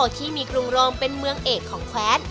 ที่มีกรุงโรมเป็นเมืองเอกของแคว้น